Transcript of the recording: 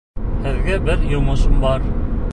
Һеҙгә бер йомошом бар.